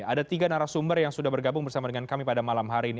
ada tiga narasumber yang sudah bergabung bersama dengan kami pada malam hari ini